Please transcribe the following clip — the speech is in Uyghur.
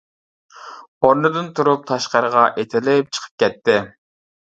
ئورنىدىن تۇرۇپ، تاشقىرىغا ئېتىلىپ چىقىپ كەتتى.